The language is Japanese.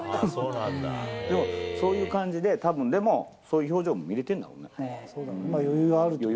でも、そういう感じで、たぶん、でもそういう表情も見れてるんだ余裕があるというか。